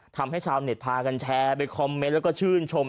ทำให้ชาวเน็ตพากันแชร์ไปคอมเมนต์แล้วก็ชื่นชม